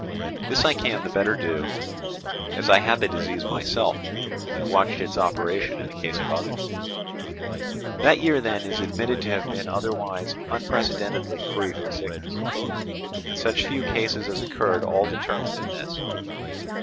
This I can the better do, as I had the disease myself, and watched its operation in the case of others. That year then is admitted to have been otherwise unprecedentedly free from sickness; and such few cases as occurred all determined in this.